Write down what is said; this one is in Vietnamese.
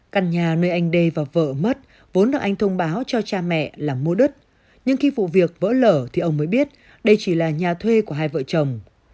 căn nhà nơi anh đê và vợ mất vốn được anh thông báo cho cha mẹ là mua đất nhưng khi vụ việc vỡ lở thì ông mới biết đây chỉ là nhà thuê của hai vợ chồng